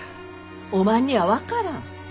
おまんには分からん。